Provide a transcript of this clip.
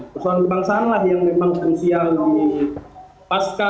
persoalan kebangsaan lah yang memang krusial di pasca